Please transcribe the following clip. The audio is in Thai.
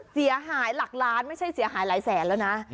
เสียหายหลักล้านไม่ใช่เสียหายหลายแสนแล้วนะ